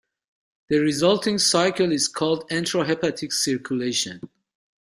The resulting cycle is called enterohepatic circulation.